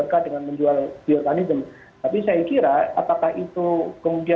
bahwa polisi boleh diskresi